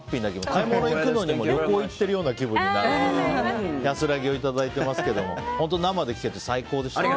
買い物行くのにも旅行行ってるような気分になるので安らぎをいただいてますけど生で聴けて最高でした。